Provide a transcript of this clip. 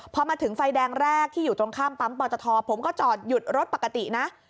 พอมาถึงไฟแดงแรกที่อยู่ตรงข้ามปั๊มปอตทผมก็จอดหยุดรถปกตินะ